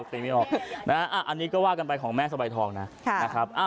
ตีไม่ออกนะอันนี้ก็ว่ากันไปของแม่สวัสดิ์ทองนะ